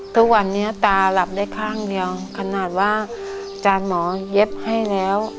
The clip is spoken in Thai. ทุกวันนี้ตาหลับได้ข้างเดียวขนาดว่าอาจารย์หมอเย็บให้แล้ว